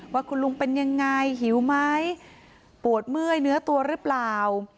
ว่าคุณลุงเป็นยังไงหิวไหมปวดเมื่อยเนื้อตัวหรือเปล่า